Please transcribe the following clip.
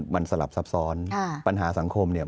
มันสลับซับซ้อนปัญหาสังคมเนี่ย